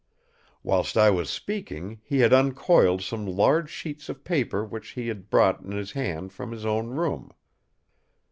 "Whilst I was speaking, he had uncoiled some large sheets of paper which he had brought in his hand from his own room.